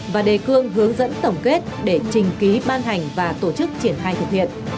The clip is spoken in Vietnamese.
và đề cương hướng dẫn tổng kết để trình ký ban hành và tổ chức triển khai thực hiện